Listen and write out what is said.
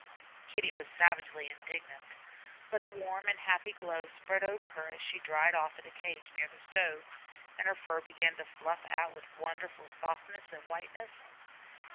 Kitty was savagely indignant, but a warm and happy glow spread over her as she dried off in a cage near the stove, and her fur began to fluff out with wonderful softness and whiteness.